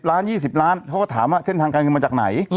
ล้าน๒๐ล้านเขาก็ถามว่าเส้นทางการเงินมาจากไหน